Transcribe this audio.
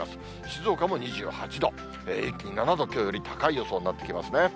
静岡も２８度、一気に７度、きょうより高い予想になってきますね。